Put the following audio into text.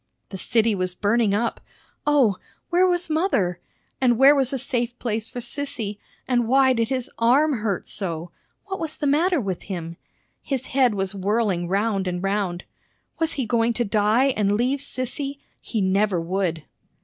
The city was burning up! O, where was mother? And where was a safe place for Sissy? And why did his arm hurt so? What was the matter with him? His head was whirling round and round. Was he going to die and leave Sissy? He never would!